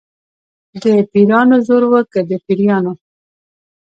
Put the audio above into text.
د پیرانو زور و که د پیریانو.